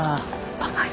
あっはい。